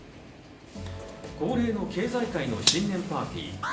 恒例の経済界の新年パーティー。